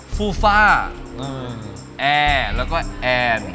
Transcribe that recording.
ฟูฟ่าแอร์แล้วก็แอน